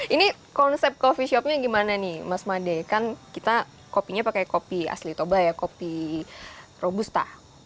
ini konsep coffee shopnya gimana nih mas made kan kita kopinya pakai kopi asli toba ya kopi robusta